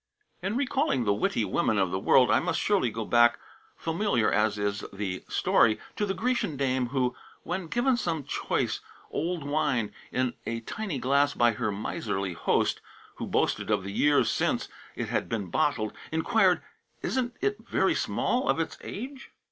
In recalling the witty women of the world, I must surely go back, familiar as is the story, to the Grecian dame who, when given some choice old wine in a tiny glass by her miserly host, who boasted of the years since it had been bottled, inquired, "Isn't it very small of its age?"